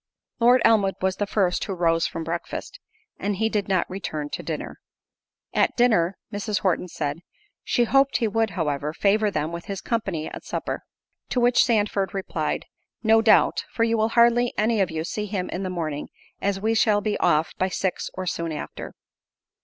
Lord Elmwood was the first who rose from breakfast, and he did not return to dinner. At dinner, Mrs. Horton said, "She hoped he would, however, favour them with his company at supper." To which Sandford replied, "No doubt, for you will hardly any of you see him in the morning; as we shall be off by six, or soon after."